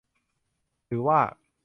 หรือว่า